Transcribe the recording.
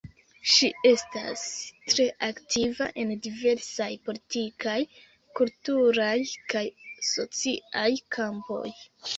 Ŝi estas tre aktiva en diversaj politikaj, kulturaj kaj sociaj kampoj.